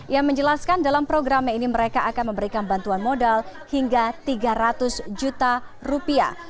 yang menjelaskan dalam programnya ini mereka akan memberikan bantuan modal hingga tiga ratus juta rupiah